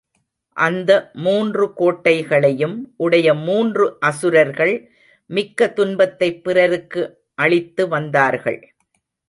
அந்த மூன்று கோட்டைகளையும் உடைய மூன்று அசுரர்கள் மிக்க துன்பத்தைப் பிறருக்கு அளித்து வந்தார்கள்.